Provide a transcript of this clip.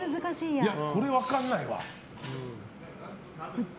これ分かんないわ。